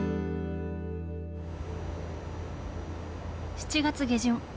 ７月下旬。